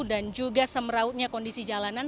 juga semerautnya kondisi jalanan